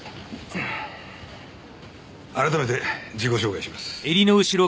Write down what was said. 改めて自己紹介します。